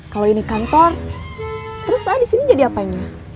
kalau ini kantor terus saya disini jadi apanya